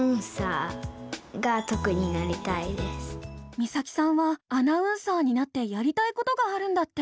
実咲さんはアナウンサーになってやりたいことがあるんだって。